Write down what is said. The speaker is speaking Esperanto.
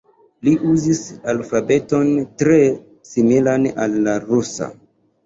Li uzis alfabeton tre similan al la rusa.